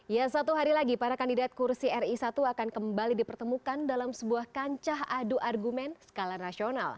ya satu hari lagi para kandidat kursi ri satu akan kembali dipertemukan dalam sebuah kancah adu argumen skala nasional